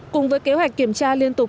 cùng với kế hoạch kiểm tra liên tục